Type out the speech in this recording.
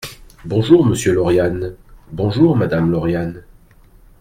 Bonjour, monsieur Lauriane ; bonjour, madame Lauriane.